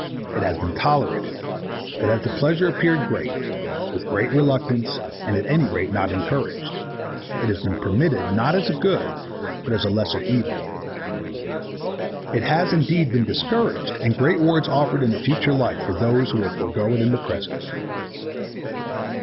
It has been tolerated, but as the pleasure appeared great, with great reluctance and at any rate not encouraged; it has been permitted not as a good but as a lesser evil. It has indeed been discouraged and great rewards offered in a future life for those who will forego it in the present.